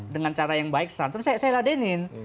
dengan cara yang baik santun saya ladenin